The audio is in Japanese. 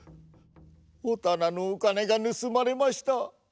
おたなのお金がぬすまれました。